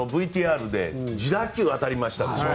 ＶＴＲで自打球が当たりましたでしょ。